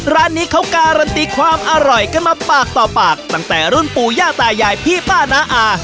ร้านนี้เขาการันตีความอร่อยกันมาปากต่อปากตั้งแต่รุ่นปู่ย่าตายายพี่ป้าน้าอา